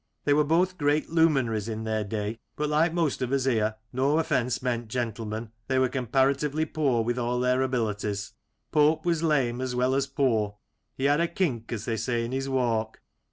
They were both great luminaries in their day ; but like most of us here — no offence meant, gentlemen — they were comparatively poor with all their abilities. Pope was lame as well as poor, he had a kinck, as they say, in his walk.